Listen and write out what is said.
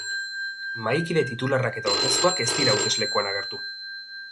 Mahaikide titularrak eta ordezkoak ez dira hauteslekuan agertu.